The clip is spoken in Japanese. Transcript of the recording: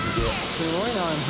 「すごいな」